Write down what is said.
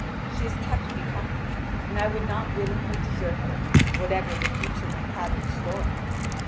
She has kept me company, and I would not willingly desert her whatever the future may have in store."